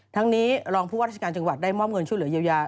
ทั้งนี้รองผู้ว่าราชการจังหวัดได้มอบเงินช่วยเหลือเยียวยา